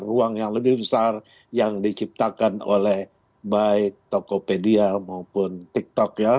ruang yang lebih besar yang diciptakan oleh baik tokopedia maupun tiktok ya